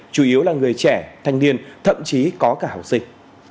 chủ yếu là người trẻ thanh niên thậm chí có cả học sinh